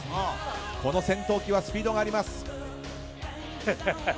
この戦闘機はスピードがあります。